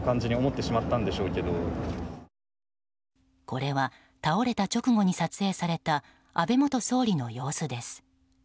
これは倒れた直後に撮影された安倍元総理の様子です。